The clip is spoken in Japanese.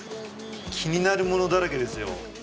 気になるものだらけですよ。